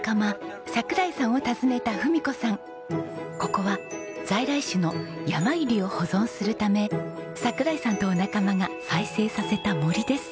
ここは在来種のヤマユリを保存するため桜井さんとお仲間が再生させた森です。